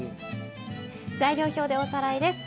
材料表でおさらいです。